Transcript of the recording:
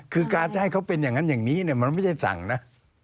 คือการจะให้เขาเป็นอย่างนั้นอย่างนี้มันไม่ใช่สั่งนะ